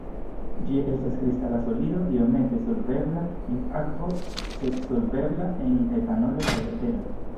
Ĝi estas kristala solido iomete solvebla en akvo, sed solvebla en etanolo kaj etero.